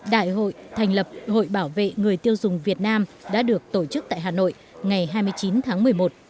đại hội thành lập hội bảo vệ người tiêu dùng việt nam đã được tổ chức tại hà nội ngày hai mươi chín tháng một mươi một